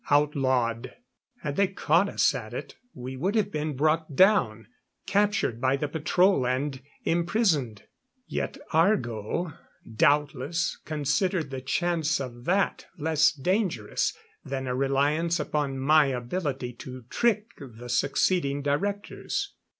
Outlawed. Had they caught us at it, we would have been brought down, captured by the patrol and imprisoned. Yet Argo doubtless considered the chance of that less dangerous than a reliance upon my ability to trick the succeeding directors.